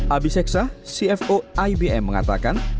abis eksa cfo ibm mengatakan